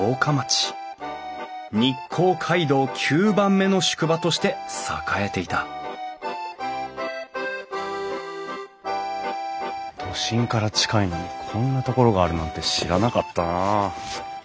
日光街道９番目の宿場として栄えていた都心から近いのにこんな所があるなんて知らなかったなあ。